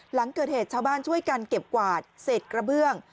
หลังเกิดเหตุชาวบ้านช่วยกันเก็บกวาดเศษกระเบื้อง